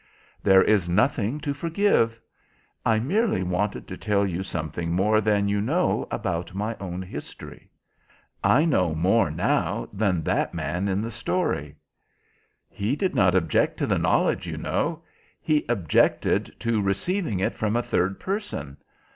"There is nothing to forgive. I merely wanted to tell you something more than you know about my own history." "I know more now than that man in the story." "He did not object to the knowledge, you know. He objected to receiving it from a third person.